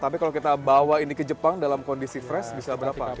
tapi kalau kita bawa ini ke jepang dalam kondisi fresh bisa berapa